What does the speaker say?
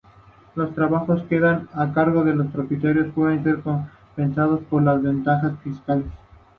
Los trabajos que quedan a cargo del propietario pueden ser compensados por ventajas fiscales.